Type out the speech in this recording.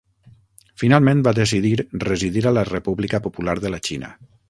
Finalment va decidir residir a la República Popular de la Xina.